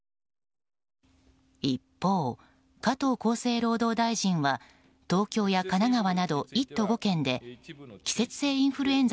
一方、加藤厚生労働大臣は東京や神奈川など１都５県で季節性インフルエンザ